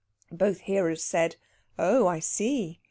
Both hearers said, "Oh, I see!"